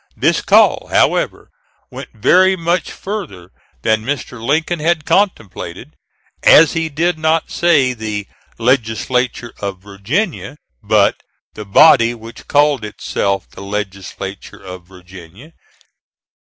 This call, however, went very much further than Mr. Lincoln had contemplated, as he did not say the "Legislature of Virginia" but "the body which called itself the Legislature of Virginia."